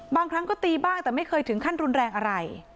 บางครั้งก็ตีบ้างแต่ไม่เคยถึงขั้นรุนแรงอะไร